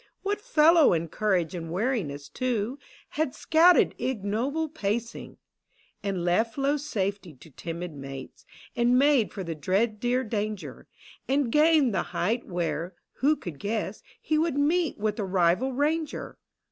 What fellow in courage and wariness too, Had scouted ignoble pacing, And left low safety to timid mates, And made for the dread dear danger, And gained the height where — who could guess He would meet with a .rival ranger